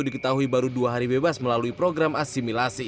diketahui baru dua hari bebas melalui program asimilasi